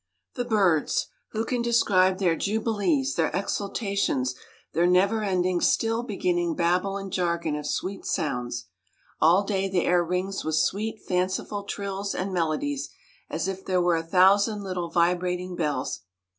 The birds! who can describe their jubilees, their exultations, their never ending, still beginning babble and jargon of sweet sounds? All day the air rings with sweet fanciful trills and melodies, as if there were a thousand little vibrating bells.